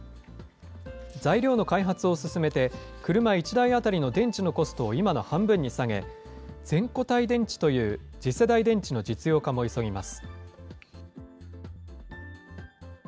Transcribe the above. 材料の開発を進めて、車１台当たりの電池のコストを今の半分に下げ、全個体電池という次世代電池の実用化も急ぎます。